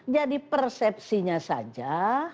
jadi persepsinya saja